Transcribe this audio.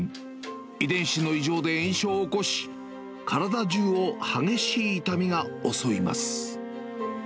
遺伝子の異常で炎症を起こし、体じゅうを激しい痛みが襲います。